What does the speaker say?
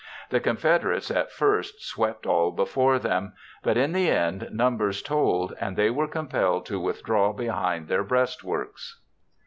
The Confederates at first swept all before them, but in the end numbers told and they were compelled to withdraw behind their breastworks.